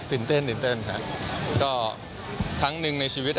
ตื่นเต้นก็ทั้งหนึ่งในชีวิต